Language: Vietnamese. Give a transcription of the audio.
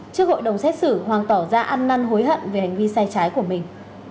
trước hội đồng xét xử hoàng tỏ ra ăn năn hối hận về hành vi sai trái của mình